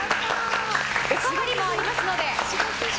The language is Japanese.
おかわりもありますので。